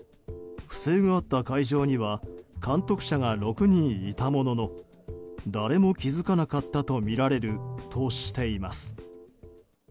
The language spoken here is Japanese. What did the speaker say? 不正があった会場には監督者が６人いたものの誰も気づかなかったとみられるとしています。